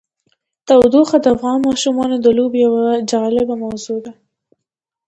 تودوخه د افغان ماشومانو د لوبو یوه جالبه موضوع ده.